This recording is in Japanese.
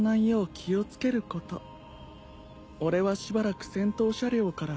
俺はしばらく先頭車両から動けない。